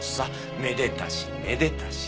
めでたしめでたし。